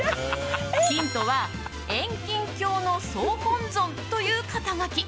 ヒントは遠近教の総本尊という肩書。